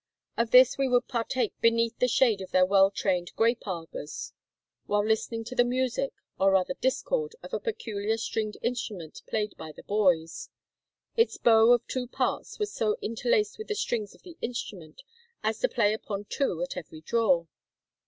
Of this we would partake beneath the shade of their well trained grape arbors, while listening to the music, or rather discord, of a peculiar stringed instrument played by the boys. Its bow of two parts was so interlaced with the strings of the instrument as to play upon two at every draw.